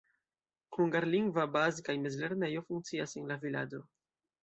Hungarlingva baz- kaj mezlernejo funkcias en la vilaĝo.